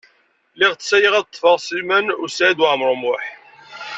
Lliɣ ttsayyiɣ ad ṭṭfeɣ Sliman U Saɛid Waɛmaṛ U Muḥ.